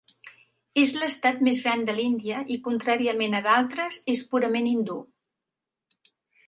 És l'estat més gran de l'Índia i contràriament a d'altres és purament hindú.